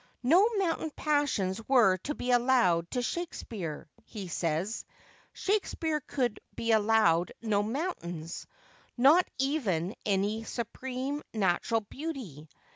" No mountain passions were to be allowed to Shakespeare," he says; " Shakespeare could be allowed no mountains — not even any supreme natural beauty.